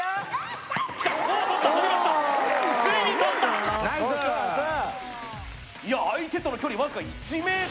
ついに取った相手との距離わずか１ｍ